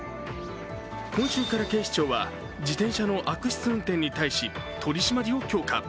今週から警視庁は自転車の悪質運転に対し取り締まりを強化。